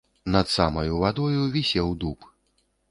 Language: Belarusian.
Над самаю вадою вісеў дуб.